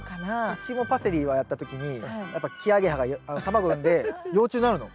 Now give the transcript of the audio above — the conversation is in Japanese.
うちもパセリをやった時にやっぱキアゲハが卵産んで幼虫になるの。